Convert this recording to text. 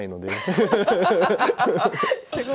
すごい。